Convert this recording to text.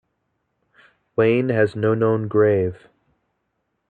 Wain has no known grave.